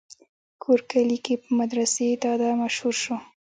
کور کلي کښې پۀ مدرسې دادا مشهور شو